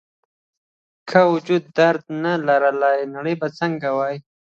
که وجود درد نه لرلی نړۍ به څنګه وي